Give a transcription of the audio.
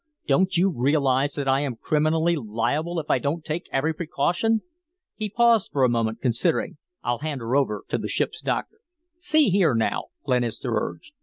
Don't you realize that I am criminally liable if I don't take every precaution?" He paused for a moment, considering. "I'll hand her over to the ship's doctor." "See here, now," Glenister urged.